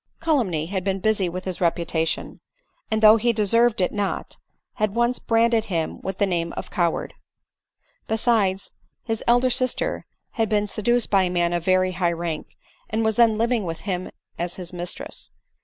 Calumny had been busy with his reputa ADELINE MOWBRAY. 95 tion ; and though he deserved it not, had once branded him with the name of coward. Besides, his elder aster had been seduced by a man of very high rank, and was then living with him as his mistress.